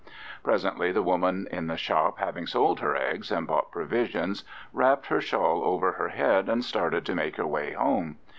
Presently the woman in the shop, having sold her eggs and bought provisions, wrapped her shawl over her head and started to make her way home.